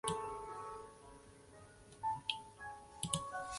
之后不久一文亦停止铸造。